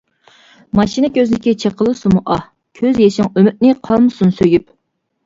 ماشىنا كۆزنىكى چېقىلسىمۇ ئاھ، كۆز يېشىڭ ئۈمىدنى قالمىسۇن سۆيۈپ.